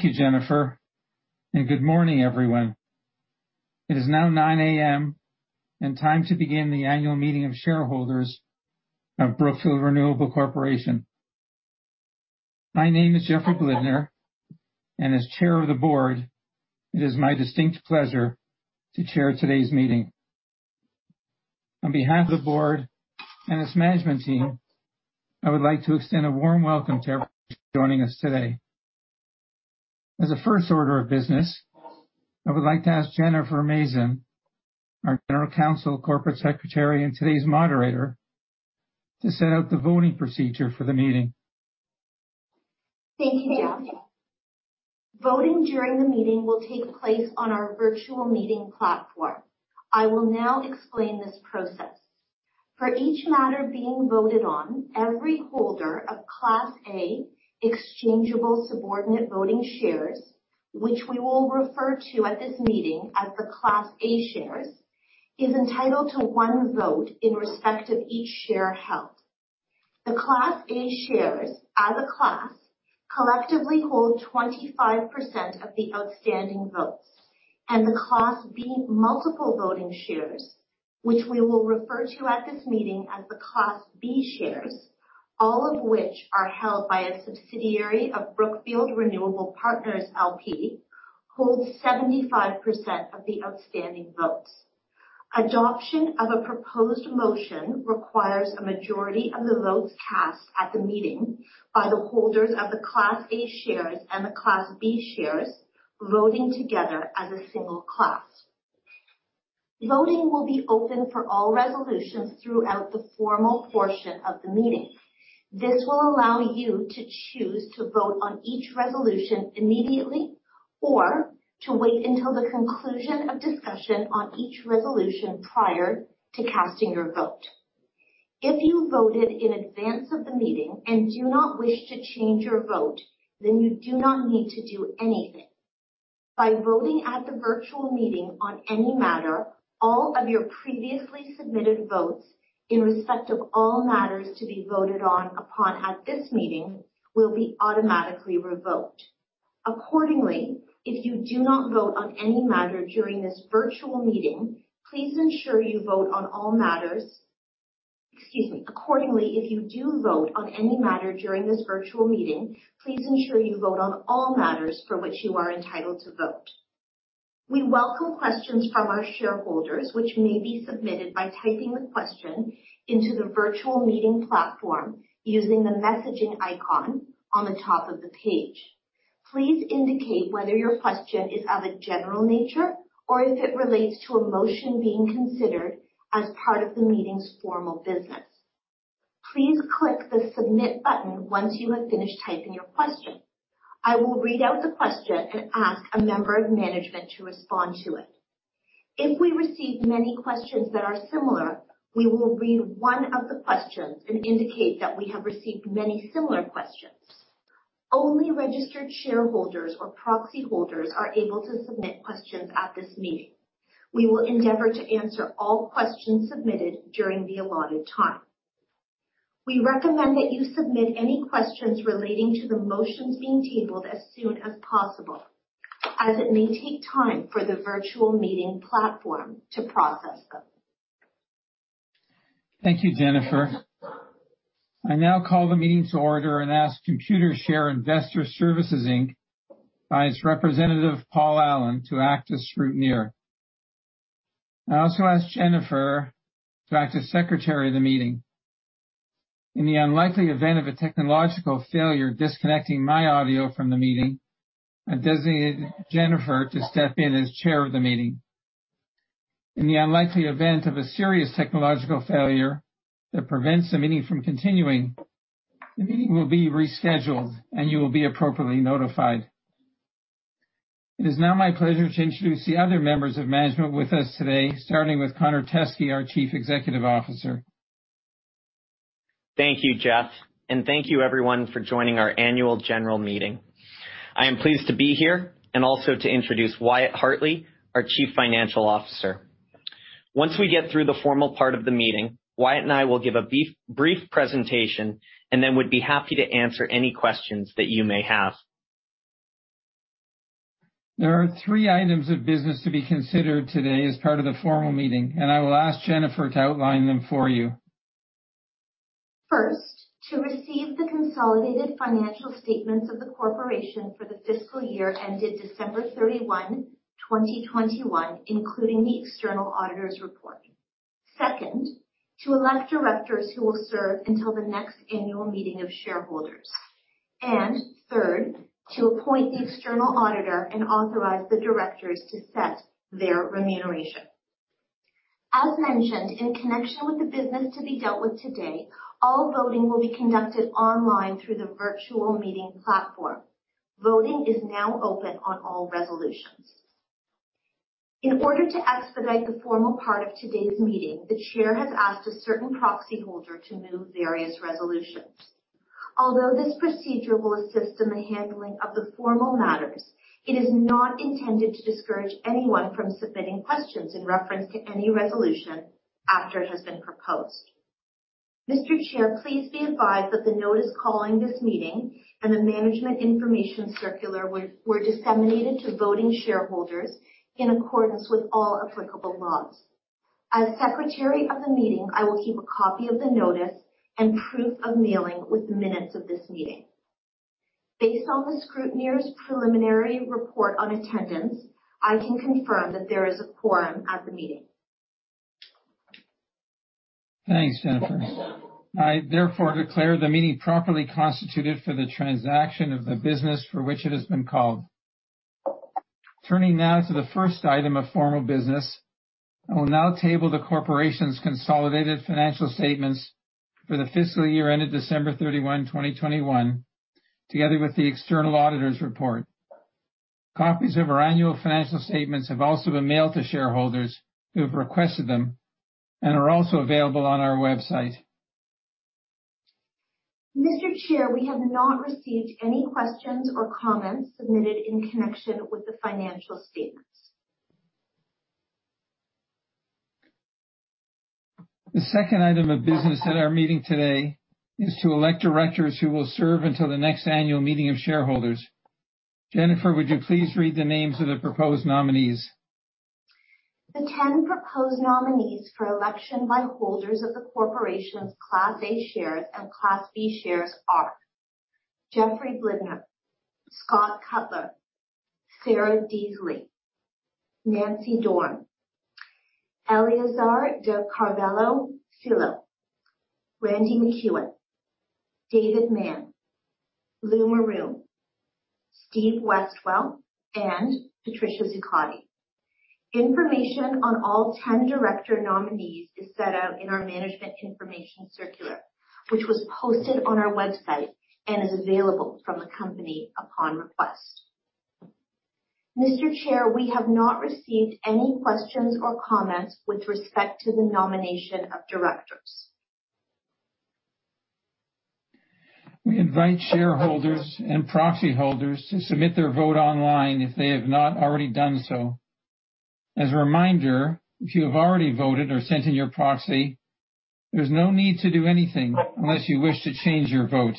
Thank you, Jennifer, and good morning, everyone. It is now 9:00 A.M. and time to begin the annual meeting of shareholders of Brookfield Renewable Corporation. My name is Jeffrey Blidner, and as Chair of the Board, it is my distinct pleasure to chair today's meeting. On behalf of the Board and its management team, I would like to extend a warm welcome to everybody joining us today. As a first order of business, I would like to ask Jennifer Mazin, our General Counsel, Corporate Secretary, and today's moderator, to set out the voting procedure for the meeting. Thank you. Voting during the meeting will take place on our virtual meeting platform. I will now explain this process. For each matter being voted on, every holder of Class A exchangeable subordinate voting shares, which we will refer to at this meeting as the Class A shares, is entitled to one vote in respect of each share held. The Class A shares as a class collectively hold 25% of the outstanding votes, and the Class B multiple voting shares, which we will refer to at this meeting as the Class B shares, all of which are held by a subsidiary of Brookfield Renewable Partners L.P., holds 75% of the outstanding votes. Adoption of a proposed motion requires a majority of the votes cast at the meeting by the holders of the Class A shares and the Class B shares voting together as a single class. Voting will be open for all resolutions throughout the formal portion of the meeting. This will allow you to choose to vote on each resolution immediately or to wait until the conclusion of discussion on each resolution prior to casting your vote. If you voted in advance of the meeting and do not wish to change your vote, then you do not need to do anything. By voting at the virtual meeting on any matter, all of your previously submitted votes in respect of all matters to be voted upon at this meeting will be automatically revoked. Excuse me. Accordingly, if you do vote on any matter during this virtual meeting, please ensure you vote on all matters for which you are entitled to vote. We welcome questions from our shareholders which may be submitted by typing the question into the virtual meeting platform using the messaging icon on the top of the page. Please indicate whether your question is of a general nature or if it relates to a motion being considered as part of the meeting's formal business. Please click the submit button once you have finished typing your question. I will read out the question and ask a member of management to respond to it. If we receive many questions that are similar, we will read one of the questions and indicate that we have received many similar questions. Only registered shareholders or proxy holders are able to submit questions at this meeting. We will endeavor to answer all questions submitted during the allotted time. We recommend that you submit any questions relating to the motions being tabled as soon as possible, as it may take time for the virtual meeting platform to process them. Thank you, Jennifer. I now call the meeting to order and ask Computershare Investor Services Inc. by its representative, Paul Allen, to act as scrutineer. I also ask Jennifer to act as secretary of the meeting. In the unlikely event of a technological failure disconnecting my audio from the meeting, I've designated Jennifer to step in as Chair of the meeting. In the unlikely event of a serious technological failure that prevents the meeting from continuing, the meeting will be rescheduled, and you will be appropriately notified. It is now my pleasure to introduce the other members of management with us today, starting with Connor Teskey, our Chief Executive Officer. Thank you, Jeff, and thank you everyone for joining our annual general meeting. I am pleased to be here and also to introduce Wyatt Hartley, our Chief Financial Officer. Once we get through the formal part of the meeting, Wyatt and I will give a brief presentation and then would be happy to answer any questions that you may have. There are three items of business to be considered today as part of the formal meeting, and I will ask Jennifer to outline them for you. First, to receive the consolidated financial statements of the corporation for the fiscal year ended December 31, 2021, including the external auditor's report. Second, to elect directors who will serve until the next annual meeting of shareholders. Third, to appoint the external auditor and authorize the directors to set their remuneration. As mentioned, in connection with the business to be dealt with today, all voting will be conducted online through the virtual meeting platform. Voting is now open on all resolutions. In order to expedite the formal part of today's meeting, the Chair has asked a certain proxy holder to move various resolutions. Although this procedure will assist in the handling of the formal matters, it is not intended to discourage anyone from submitting questions in reference to any resolution after it has been proposed. Mr. Chair, please be advised that the notice calling this meeting and the management information circular were disseminated to voting shareholders in accordance with all applicable laws. As secretary of the meeting, I will keep a copy of the notice and proof of mailing with the minutes of this meeting. Based on the scrutineer's preliminary report on attendance, I can confirm that there is a quorum at the meeting. Thanks, Jennifer. I therefore declare the meeting properly constituted for the transaction of the business for which it has been called. Turning now to the first item of formal business. I will now table the corporation's consolidated financial statements for the fiscal year ended December 31, 2021, together with the external auditor's report. Copies of our annual financial statements have also been mailed to shareholders who have requested them and are also available on our website. Mr. Chair, we have not received any questions or comments submitted in connection with the financial statements. The second item of business at our meeting today is to elect directors who will serve until the next annual meeting of shareholders. Jennifer, would you please read the names of the proposed nominees? The 10 proposed nominees for election by holders of the corporation's Class A shares and Class B shares are Jeffrey Blidner, Scott Cutler, Sarah Deasley, Nancy Dorn, Eleazar de Carvalho Filho, Randy MacEwen, David Mann, Lou Maroun, Stephen Westwell, and Patricia Zuccotti. Information on all ten director nominees is set out in our management information circular, which was posted on our website and is available from the company upon request. Mr. Chair, we have not received any questions or comments with respect to the nomination of directors. We invite shareholders and proxy holders to submit their vote online if they have not already done so. As a reminder, if you have already voted or sent in your proxy, there's no need to do anything unless you wish to change your vote.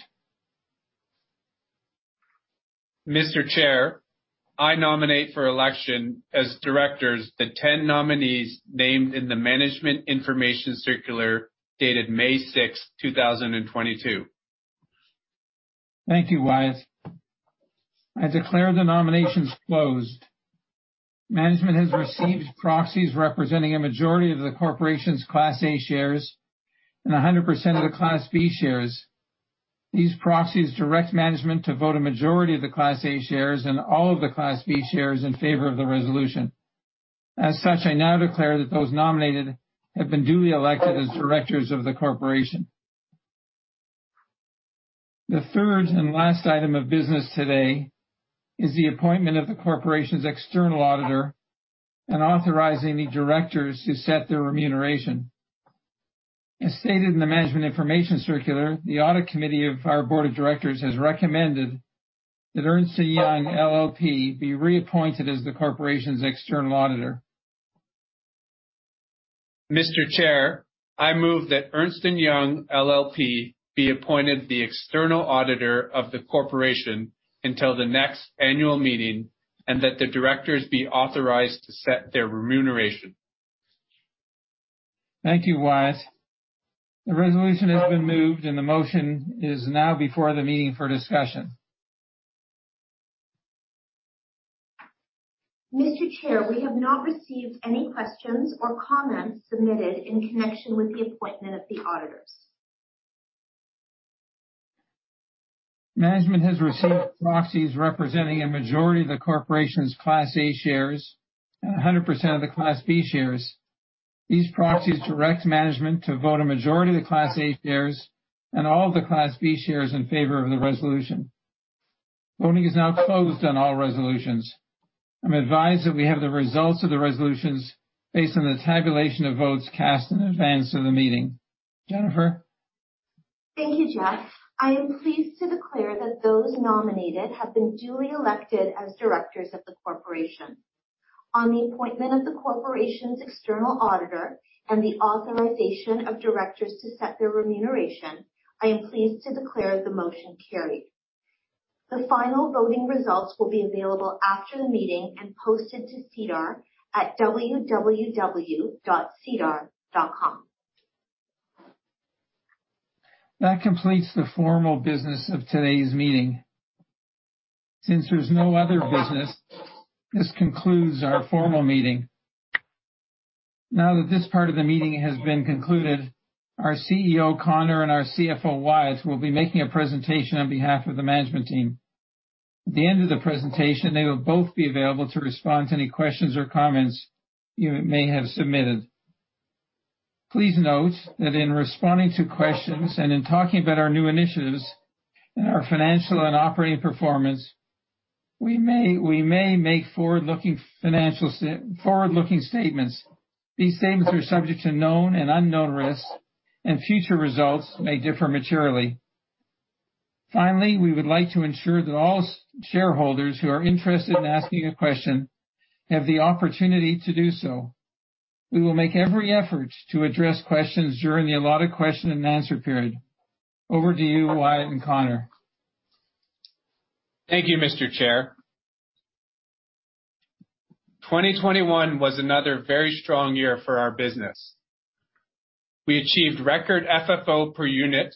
Mr. Chair, I nominate for election as directors the 10 nominees named in the Management Information Circular dated May 6, 2022. Thank you, Wyatt. I declare the nominations closed. Management has received proxies representing a majority of the corporation's Class A shares and 100% of the Class B shares. These proxies direct management to vote a majority of the Class A shares and all of the Class B shares in favor of the resolution. As such, I now declare that those nominated have been duly elected as directors of the corporation. The third and last item of business today is the appointment of the corporation's external auditor and authorize any directors to set their remuneration. As stated in the Management Information Circular, the Audit Committee of our Board of Directors has recommended that Ernst & Young LLP be reappointed as the corporation's external auditor. Mr. Chair, I move that Ernst & Young LLP be appointed the external auditor of the corporation until the next annual meeting, and that the directors be authorized to set their remuneration. Thank you, Wyatt. The resolution has been moved, and the motion is now before the meeting for discussion. Mr. Chair, we have not received any questions or comments submitted in connection with the appointment of the auditors. Management has received proxies representing a majority of the corporation's Class A shares and 100% of the Class B shares. These proxies direct management to vote a majority of the Class A shares and all of the Class B shares in favor of the resolution. Voting is now closed on all resolutions. I'm advised that we have the results of the resolutions based on the tabulation of votes cast in advance of the meeting. Jennifer. Thank you, Jeff. I am pleased to declare that those nominated have been duly elected as directors of the corporation. On the appointment of the corporation's external auditor and the authorization of directors to set their remuneration, I am pleased to declare the motion carried. The final voting results will be available after the meeting and posted to SEDAR at www.sedar.com. That completes the formal business of today's meeting. Since there's no other business, this concludes our formal meeting. Now that this part of the meeting has been concluded, our CEO, Connor, and our CFO, Wyatt, will be making a presentation on behalf of the management team. At the end of the presentation, they will both be available to respond to any questions or comments you may have submitted. Please note that in responding to questions and in talking about our new initiatives and our financial and operating performance, we may make forward-looking financial statements. These statements are subject to known and unknown risks, and future results may differ materially. Finally, we would like to ensure that all shareholders who are interested in asking a question have the opportunity to do so. We will make every effort to address questions during the allotted question and answer period. Over to you, Wyatt and Connor. Thank you, Mr. Chair. 2021 was another very strong year for our business. We achieved record FFO per unit,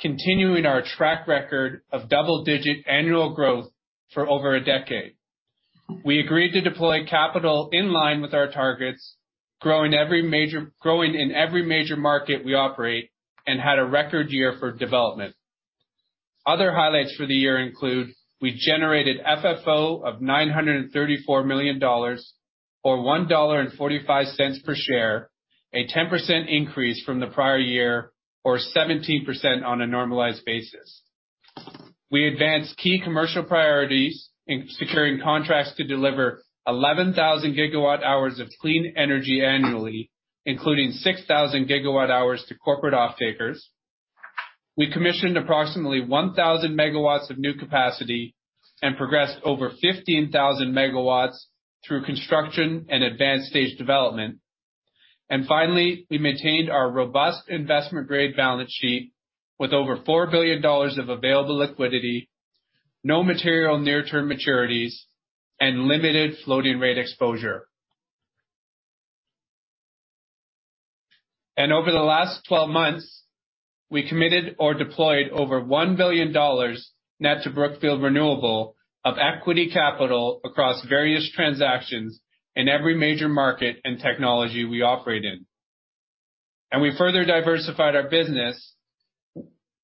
continuing our track record of double-digit annual growth for over a decade. We agreed to deploy capital in line with our targets, growing in every major market we operate, and had a record year for development. Other highlights for the year include. We generated FFO of $934 million or $1.45 per share, a 10% increase from the prior year, or 17% on a normalized basis. We advanced key commercial priorities in securing contracts to deliver 11,000 GWh of clean energy annually, including 6,000 GWh to corporate offtakers. We commissioned approximately 1,000 MW of new capacity and progressed over 15,000 MW through construction and advanced stage development. Finally, we maintained our robust investment-grade balance sheet with over $4 billion of available liquidity, no material near-term maturities, and limited floating rate exposure. Over the last 12 months, we committed or deployed over $1 billion net to Brookfield Renewable of equity capital across various transactions in every major market and technology we operate in. We further diversified our business,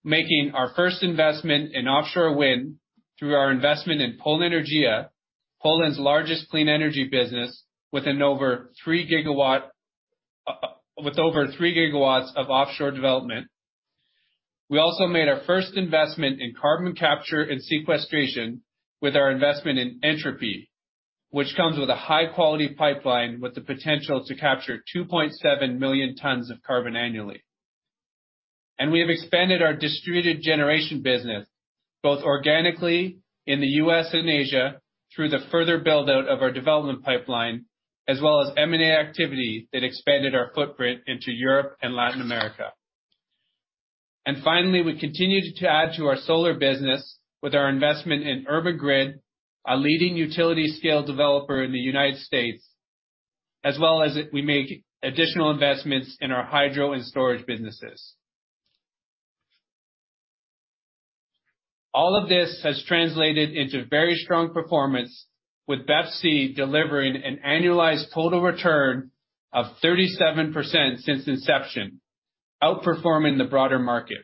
making our first investment in offshore wind through our investment in Polenergia, Poland's largest clean energy business with over 3 GW of offshore development. We also made our first investment in carbon capture and sequestration with our investment in Entropy, which comes with a high quality pipeline with the potential to capture 2.7 million tons of carbon annually. We have expanded our distributed generation business both organically in the U.S. and Asia through the further build-out of our development pipeline, as well as M&A activity that expanded our footprint into Europe and Latin America. Finally, we continued to add to our solar business with our investment in Urban Grid, a leading utility scale developer in the United States, as well as we make additional investments in our hydro and storage businesses. All of this has translated into very strong performance, with BEPC delivering an annualized total return of 37% since inception, outperforming the broader market.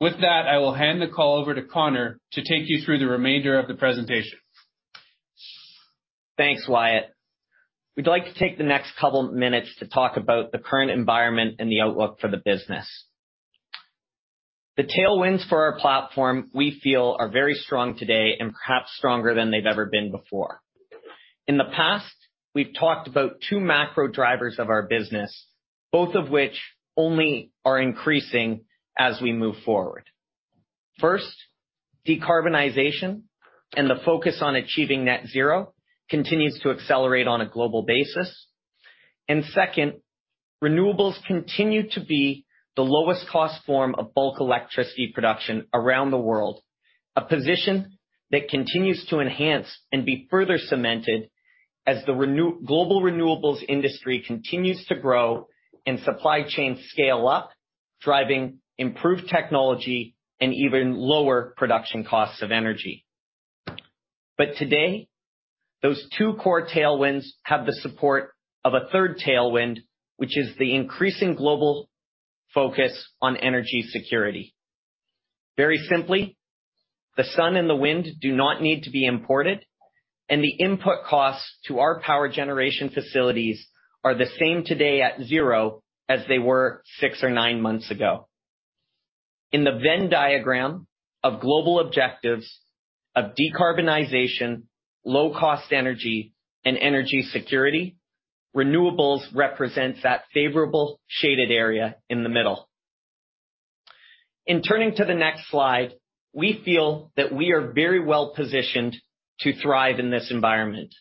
With that, I will hand the call over to Connor to take you through the remainder of the presentation. Thanks, Wyatt. We'd like to take the next couple minutes to talk about the current environment and the outlook for the business. The tailwinds for our platform, we feel are very strong today and perhaps stronger than they've ever been before. In the past, we've talked about two macro drivers of our business, both of which only are increasing as we move forward. First, decarbonization and the focus on achieving net zero continues to accelerate on a global basis. Second, renewables continue to be the lowest cost form of bulk electricity production around the world, a position that continues to enhance and be further cemented as the global renewables industry continues to grow and supply chains scale up, driving improved technology and even lower production costs of energy. Today, those two core tailwinds have the support of a third tailwind, which is the increasing global focus on energy security. Very simply, the sun and the wind do not need to be imported, and the input costs to our power generation facilities are the same today at zero as they were six or nine months ago. In the Venn diagram of global objectives of decarbonization, low cost energy, and energy security, renewables represents that favorable shaded area in the middle. In turning to the next slide, we feel that we are very well-positioned to thrive in this environment.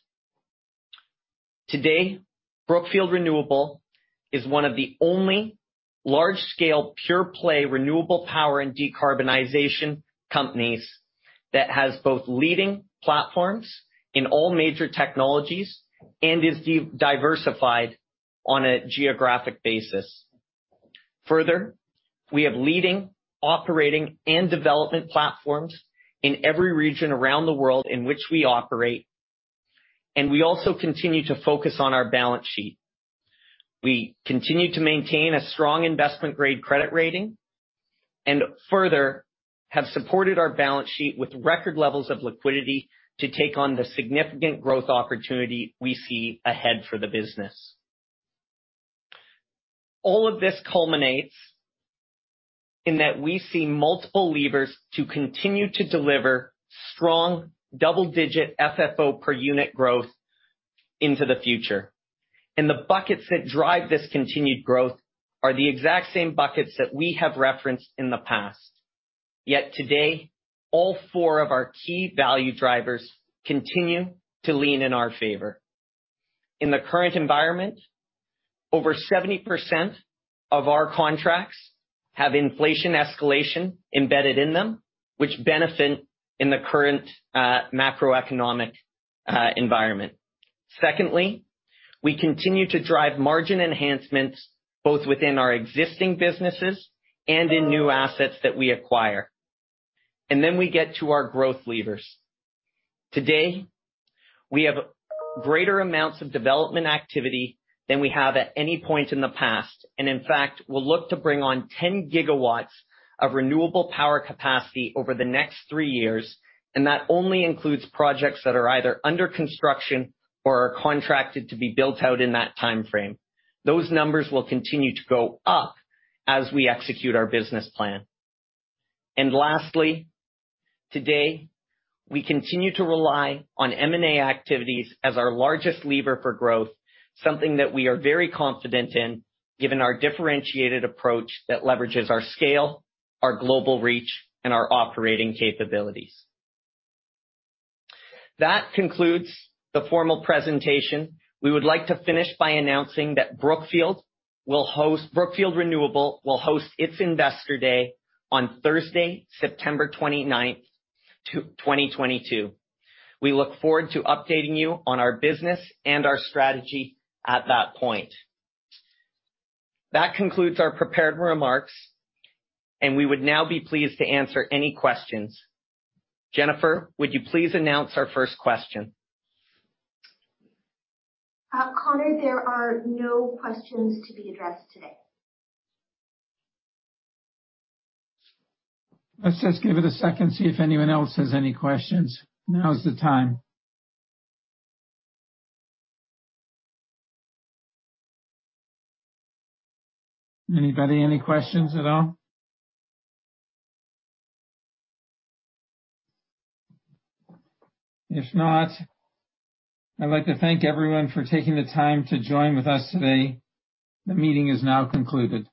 Today, Brookfield Renewable is one of the only large scale pure play renewable power and decarbonization companies that has both leading platforms in all major technologies and is diversified on a geographic basis. Further, we have leading, operating, and development platforms in every region around the world in which we operate, and we also continue to focus on our balance sheet. We continue to maintain a strong investment-grade credit rating, and further have supported our balance sheet with record levels of liquidity to take on the significant growth opportunity we see ahead for the business. All of this culminates in that we see multiple levers to continue to deliver strong double-digit FFO per unit growth into the future. The buckets that drive this continued growth are the exact same buckets that we have referenced in the past. Yet today, all four of our key value drivers continue to lean in our favor. In the current environment, over 70% of our contracts have inflation escalation embedded in them, which benefit in the current, macroeconomic, environment. Secondly, we continue to drive margin enhancements both within our existing businesses and in new assets that we acquire. Then we get to our growth levers. Today, we have greater amounts of development activity than we have at any point in the past. In fact, we'll look to bring on 10 GW of renewable power capacity over the next three years, and that only includes projects that are either under construction or are contracted to be built out in that time frame. Those numbers will continue to go up as we execute our business plan. Lastly, today, we continue to rely on M&A activities as our largest lever for growth, something that we are very confident in given our differentiated approach that leverages our scale, our global reach, and our operating capabilities. That concludes the formal presentation. We would like to finish by announcing that Brookfield Renewable will host its Investor Day on Thursday, September 29th, 2022. We look forward to updating you on our business and our strategy at that point. That concludes our prepared remarks, and we would now be pleased to answer any questions. Jennifer, would you please announce our first question? Connor, there are no questions to be addressed today. Let's just give it a second, see if anyone else has any questions. Now is the time. Anybody, any questions at all? If not, I'd like to thank everyone for taking the time to join with us today. The meeting is now concluded.